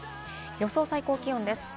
予想最高気温です。